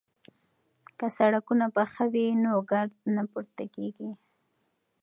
که سړکونه پاخه وي نو ګرد نه پورته کیږي.